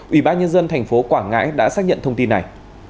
ủy ban nhân dân tp quảng ngãi đã xác nhận thông tin này